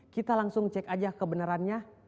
kita langsung cek aja kebenarannya